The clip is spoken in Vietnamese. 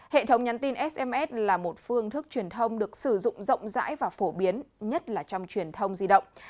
hệ thống nhắn tin sms là một phương thức truyền thông được sử dụng rộng rãi và phổ biến nhất là trong truyền thông di động